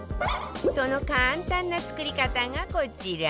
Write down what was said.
その簡単な作り方がこちら